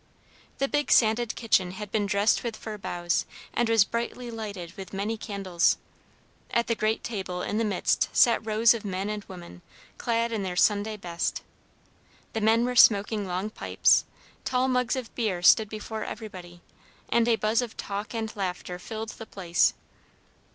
The big sanded kitchen had been dressed with fir boughs, and was brightly lighted with many candles. At the great table in the midst sat rows of men and women, clad in their Sunday best. The men were smoking long pipes, tall mugs of beer stood before everybody, and a buzz of talk and laughter filled the place.